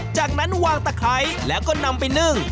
จากนั้นวางตะไคร้แล้วก็นำไปนึ่ง